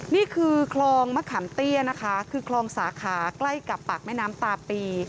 นี่คือคลองมะขามเตี้ยนะคะคือคลองสาขาใกล้กับปากแม่น้ำตาปี